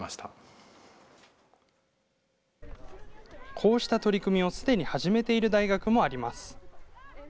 こうした取り組みをすでに始めている大学もあります。